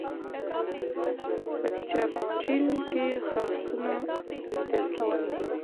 په چرچیل کې خرسونه لیدل کیږي.